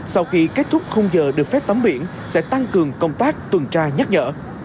sau khi kết thúc không giờ được phép tắm biển sẽ tăng cường công tác tuần tra nhắc nhở